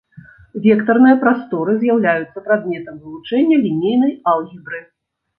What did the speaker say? Вектарныя прасторы з'яўляюцца прадметам вывучэння лінейнай алгебры.